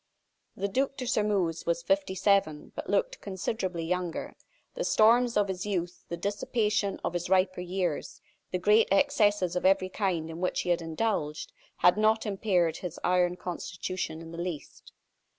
The Duc de Sairmeuse was fifty seven, but looked considerably younger. The storms of his youth, the dissipation of his riper years, the great excesses of every kind in which he had indulged, had not impaired his iron constitution in the least.